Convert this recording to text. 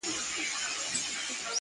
ایا ولس ازاد دی